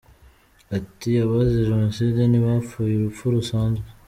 Ati: “Abazize Jenoside ntibapfuye urupfu rusanzwe.